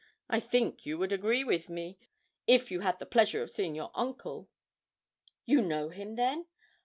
I think you would agree with me, if you had the pleasure of seeing your uncle.' 'You know him, then?